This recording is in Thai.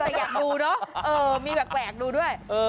แต่อยากดูเนอะมีแหวกดูด้วย